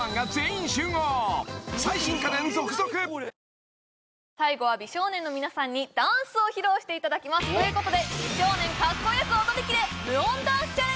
しかし最後は美少年の皆さんにダンスを披露していただきますということでイエーイ！